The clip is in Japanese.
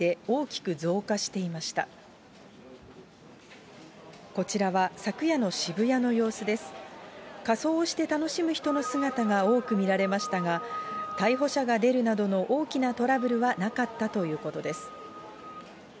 仮装をして楽しむ人の姿が多く見られましたが、逮捕者が出るなどの大きなトラブルはなかったということです。